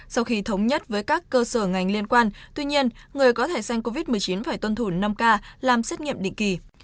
sau khi thống nhất với các cơ sở ngành liên quan tuy nhiên người có thể danh covid một mươi chín phải tuân thủ năm k làm xét nghiệm định kỳ